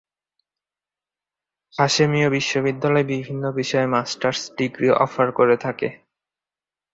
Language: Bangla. হাশেমীয় বিশ্ববিদ্যালয়য় বিভিন্ন বিষয়ে মাস্টার্স ডিগ্রী অফার করে থাকে।